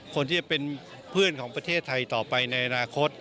คนที่จะเป็นเพื่อนของประเทศไทยต่อไปในอนาคต